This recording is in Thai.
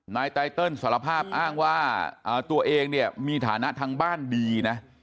ไตเติลสารภาพอ้างว่าตัวเองเนี่ยมีฐานะทางบ้านดีนะ